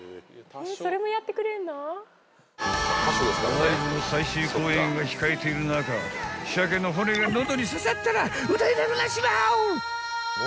［ライブの最終公演が控えている中鮭の骨が喉に刺さったら歌えなくなっちまう！］